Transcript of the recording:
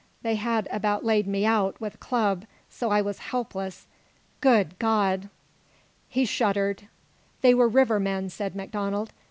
They had about laid me out with a club, so I was helpless. Good God " He shuddered. "They were river men," said MacDonald.